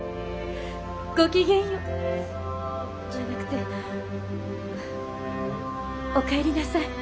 ごきげんよじゃなくてお帰りなさい。